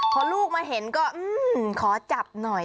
พอลูกมาเห็นก็ขอจับหน่อย